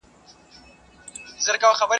په څو ځله لوستلو یې په معنا نه پوهېږم.